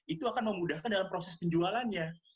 itu akan memudahkan dalam proses penjualannya